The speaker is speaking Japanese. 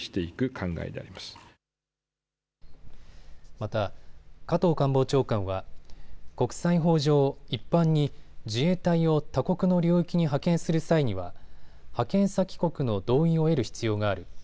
また加藤官房長官は国際法上、一般に自衛隊を他国の領域に派遣する際には派遣先国の同意を得る必要がある。